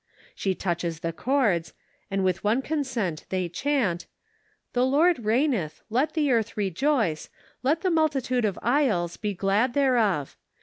She touches the chords, and with one consent they chant : "The Lord reigneth, let the earth rejoice, let the multitude of isles be glad thereof.